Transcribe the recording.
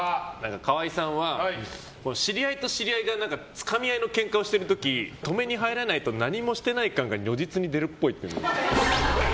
川合さんは知り合いと知り合いがつかみ合いのケンカをしてる時止めに入らないと何もしてない感が如実に出るっぽい。